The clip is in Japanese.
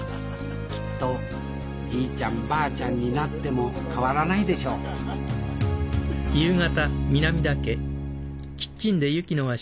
きっとじいちゃんばあちゃんになっても変わらないでしょう・やあ。